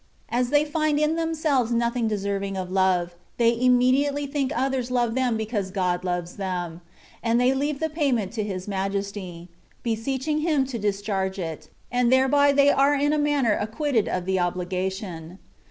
As they find in them selves nothing deserving of love, they immediately think others love them because God loves them, and they leave the payment to His Majesty, beseeching Him to discharge it, and thereby they are in a manner acquitted of the obligation.